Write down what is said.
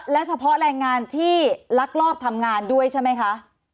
และเฉพาะแรงงานที่ลักลอบทำงานด้วยใช่ไหมคะ